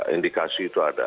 indikasi itu ada